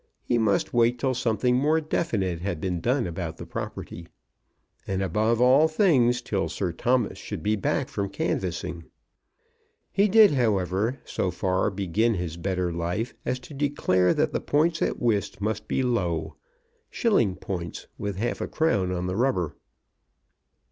He must wait till something more definite had been done about the property, and, above all things, till Sir Thomas should be back from canvassing. He did, however, so far begin his better life as to declare that the points at whist must be low, shilling points, with half a crown on the rubber.